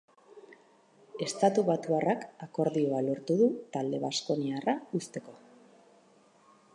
Estatubatuarrak akordioa lortu du talde baskoniarra uzteko.